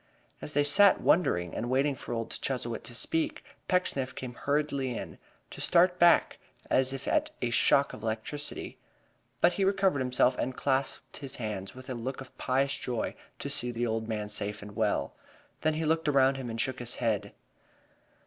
As they sat wondering and waiting for old Chuzzlewit to speak, Pecksniff came hurriedly in, to start back as if at a shock of electricity. But he recovered himself, and clasped his hands with a look of pious joy to see the old man safe and well. Then he looked around him and shook his head.